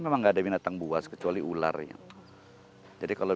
memang ada binatang buah kecuali ular yang jadi kalau